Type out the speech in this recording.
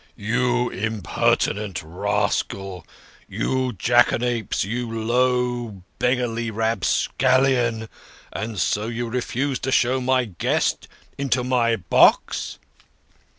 "You impertinent scoundrel ! You jackanapes ! You low, beggarly rapscallion ! And so you refused to show my guest into my box